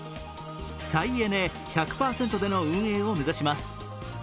再エネ１００％での運営を目指します